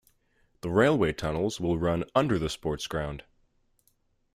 The railway tunnels will run under the sports ground.